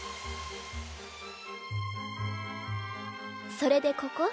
それでここ？